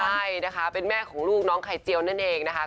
ใช่นะคะเป็นแม่ของลูกน้องไข่เจียวนั่นเองนะคะ